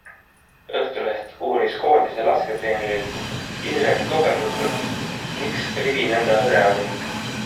Õhtuleht uuris koondise lasketreenerilt Indrek Tobrelutsult, miks rivi nõnda hõre oli?